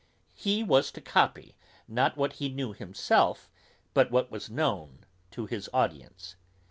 He was to copy, not what he knew himself, but what was known to his audience.